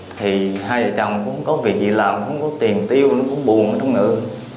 thì hai vợ chồng cũng có việc gì làm cũng có tiền tiêu nó cũng buồn trong nước